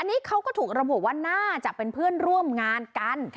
อันนี้เขาก็ถูกระบุว่าน่าจะเป็นเพื่อนร่วมงานกัน